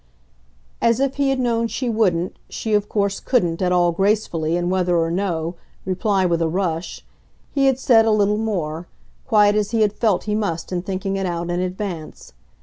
As if he had known she wouldn't, she of course couldn't, at all gracefully, and whether or no, reply with a rush, he had said a little more quite as he had felt he must in thinking it out in advance.